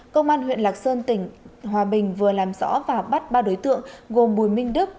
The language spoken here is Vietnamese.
công an huyện lạc sơn tỉnh hòa bình vừa làm rõ và bắt ba đối tượng gồm bùi minh đức